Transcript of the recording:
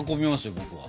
僕は。